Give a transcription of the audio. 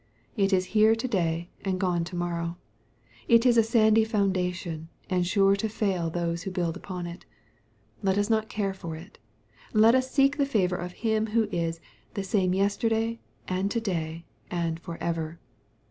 It is here to day and gone tp morrow. It is a sandy foundation^ and sure to fail those who build upon it. Let us not care for it. Let us seek the favor of Him who is " the same yesterday, and to day, and for ever.''